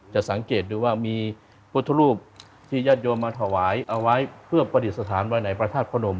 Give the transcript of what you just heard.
จะสังเกตดูว่ามีพุทธรูปที่ญาติโยมมาถวายเอาไว้เพื่อประดิษฐานไว้ในพระธาตุพระนม